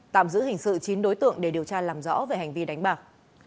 tạm giữ hình sự chín đối tượng để điều tra làm rõ về hành vi đánh bạc